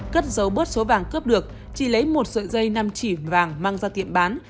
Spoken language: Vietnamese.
cất dấu bớt số vàng cướp được chị lấy một sợi dây năm chỉ vàng mang ra tiệm bán